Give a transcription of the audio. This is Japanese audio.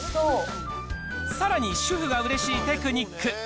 さらに主婦がうれしいテクニック。